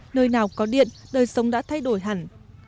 nơi nào có điện đời sống đã thay đổi hẳn